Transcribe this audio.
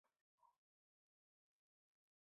琪亚拉是意大利博科尼大学的法律系学生。